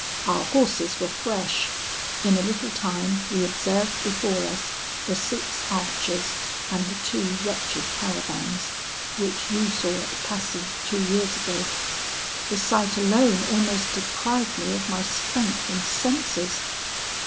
Our horses were fresh. In a little time we observed before us the six archers and the two wretched caravans, which you saw at Passy two years ago. The sight alone almost deprived me of my strength and senses.